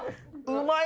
うまい？